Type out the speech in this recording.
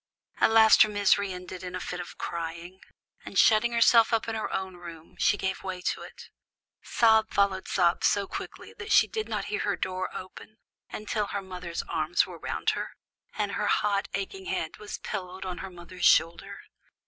At last her misery ended in a fit of crying, and shutting herself up in her own room, she gave way to it. Sob followed sob so quickly that she did not hear her door open, until her mother's arms were round her, and her hot, aching head was pillowed on her mother's shoulder.